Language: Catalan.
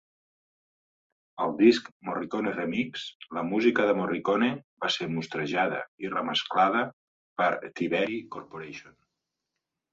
Al disc "Morricone Rmx", la música de Morricone va ser mostrejada i remesclada per Thievery Corporation.